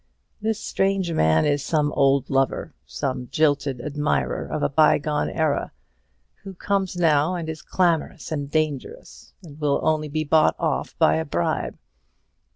This strange man is some old lover; some jilted admirer of a bygone era, who comes now and is clamorous and dangerous, and will only be bought off by a bribe.